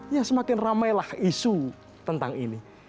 ya semakin ramailah isu tentang ini